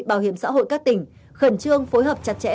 bảo hiểm xã hội các tỉnh khẩn trương phối hợp chặt chẽ